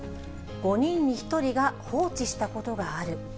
５人に１人が放置したことがある。